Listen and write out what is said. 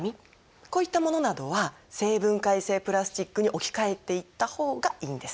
こういったものなどは生分解性プラスチックに置き換えていった方がいいんです。